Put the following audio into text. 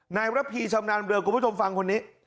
ระพีชำนาญเรือคุณผู้ชมฟังคนนี้